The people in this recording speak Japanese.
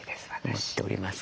思っておりますが。